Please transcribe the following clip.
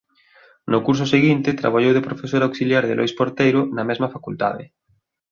No curso seguinte traballou de profesor auxiliar de Lois Porteiro na mesma facultade.